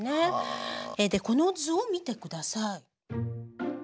でこの図を見てください。